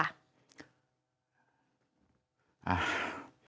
อ้าว